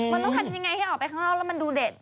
มันต้องทำยังไงให้ออกไปข้างนอกแล้วมันดูเด็ด